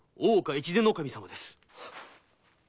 越前守様です。